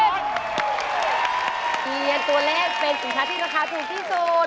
เทียนตัวเลขเป็นสินค้าที่ราคาถูกที่สุด